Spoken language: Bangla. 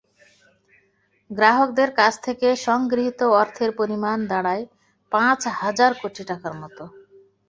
গ্রাহকদের কাছ থেকে সংগৃহীত অর্থের পরিমাণ দাঁড়ায় পাঁচ হাজার কোটি টাকার মতো।